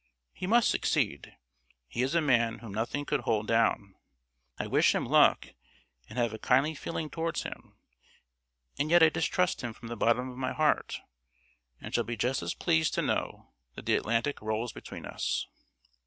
He must succeed. He is a man whom nothing could hold down. I wish him luck, and have a kindly feeling towards him, and yet I distrust him from the bottom of my heart, and shall be just as pleased to know that the Atlantic rolls between us.